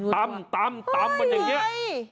ตำตำมันอย่างเงี้ย